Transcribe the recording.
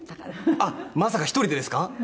あっまさか１人でですか？